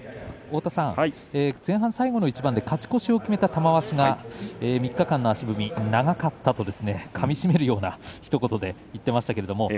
前半最後の一番で勝ち越しを決めた玉鷲が３日間の足踏み長かったとかみしめるようなひと言を言っていました。